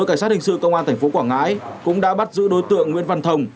cảnh sát hình sự công an thành phố quảng ngãi cũng đã bắt giữ đối tượng nguyễn văn thồng